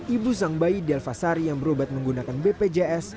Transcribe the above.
ibu sang bayi delvasari yang berobat menggunakan bpjs